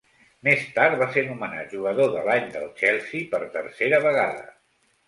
Més tard va ser nomenat Jugador de l'Any del Chelsea per tercera vegada.